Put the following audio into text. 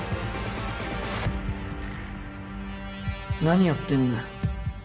何やってんだよ。